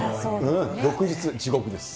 翌日地獄です。